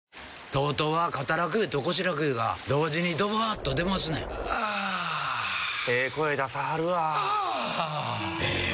ＴＯＴＯは肩楽湯と腰楽湯が同時にドバーッと出ますねんあええ声出さはるわあええ